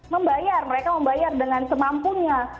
membayar mereka membayar dengan semampunya